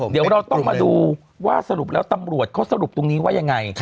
เดี๋ยวเราต้องมาดูว่าสรุปแล้วตำรวจเขาสรุปตรงนี้ว่ายังไง